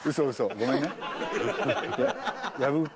ごめんね。